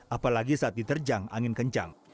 apalagi saat diterjang angin kencang